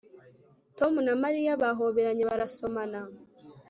Tom na Mariya bahoberanye barasomana